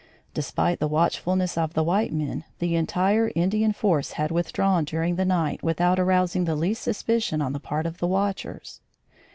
Despite the watchfulness of the white men, the entire Indian force had withdrawn during the night without arousing the least suspicion on the part of the watchers.